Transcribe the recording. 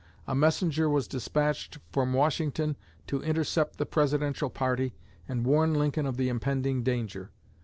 A messenger was despatched from Washington to intercept the Presidential party and warn Lincoln of the impending danger.